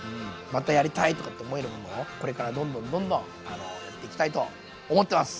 またやりたい！とかって思えるものをこれからどんどんどんどんやっていきたいと思ってます！